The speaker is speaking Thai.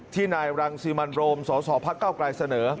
ที่นายรังษีมันโรมสศพกเสนอ